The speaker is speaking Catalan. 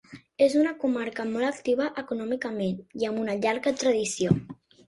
És una comarca molt activa econòmicament i amb una llarga tradició.